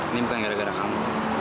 ini bukan gara gara kamu